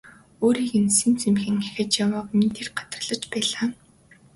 Өөрийг нь сэм сэмхэн ажиж явааг минь тэр гадарлаж байлаа.